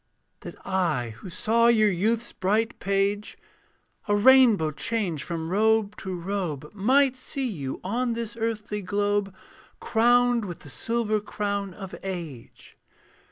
That I who saw your youth's bright page, A rainbow change from robe to robe, Might see you on this earthly globe, Crowned with the silver crown of age.